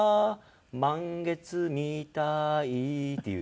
「満月みたい」っていう。